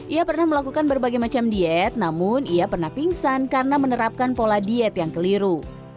ia pernah melakukan berbagai macam diet namun ia pernah pingsan karena menerapkan pola diet yang keliru